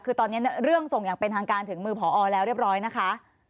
คือตอนนี้เรื่องส่งอย่างเป็นทางการถึงมือผอแล้วเรียบร้อยนะคะ